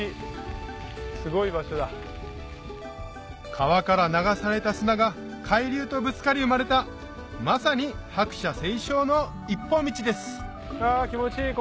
川から流された砂が海流とぶつかり生まれたまさに白砂青松の一本道ですハァ気持ちいい